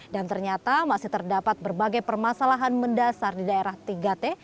dan ternyata masih terdapat berbagai permasalahan mendasar di daerah tiga t